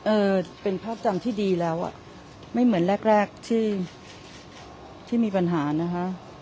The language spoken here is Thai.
เออเป็นภาพจำที่ดีแล้วอ่ะไม่เหมือนแรกแรกที่ที่มีปัญหานะคะ